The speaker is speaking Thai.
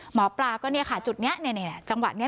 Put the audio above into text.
หมอปลาก็เนี่ยค่ะจุดนี้จังหวะนี้